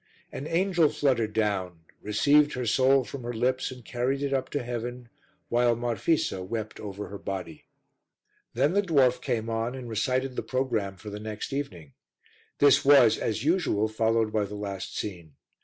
An angel fluttered down, received her soul from her lips and carried it up to heaven, while Marfisa wept over her body. Then the dwarf came on and recited the programme for the next evening. This was, as usual, followed by the last scene.